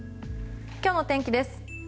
今日の天気です。